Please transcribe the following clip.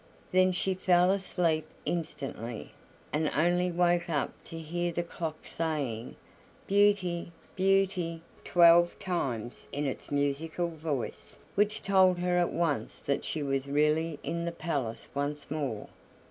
Then she fell asleep instantly, and only woke up to hear the clock saying "Beauty, Beauty" twelve times in its musical voice, which told her at once that she was really in the palace once more.